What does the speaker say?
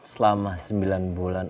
selama sembilan bulan